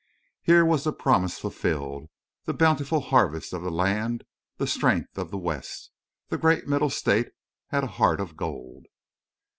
Here was the promise fulfilled, the bountiful harvest of the land, the strength of the West. The great middle state had a heart of gold.